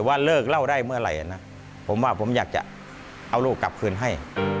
ว่าเลิกเล่าได้เมื่อไหร่นะผมว่าผมอยากจะเอาลูกกลับคืนให้